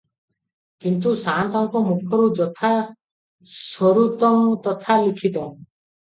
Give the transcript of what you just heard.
କିନ୍ତୁ ସାଆନ୍ତଙ୍କ ମୁଖରୁ 'ଯଥା ଶ୍ରୁତଂ ତଥା ଲିଖିତଂ' ।